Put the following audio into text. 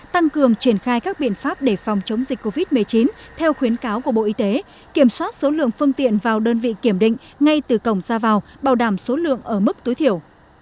tăng cường triển khai các biện pháp để phòng chống dịch covid một mươi chín theo khuyến cáo của bộ y tế kiểm soát số lượng phương tiện vào đơn vị kiểm định ngay từ cổng ra vào bảo đảm số lượng ở mức tối thiểu